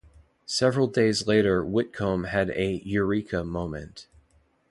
Several days later Whitcomb had a "Eureka" moment.